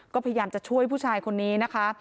ก็พยายามจะช่วยผู้ชายคนนี้นะคะ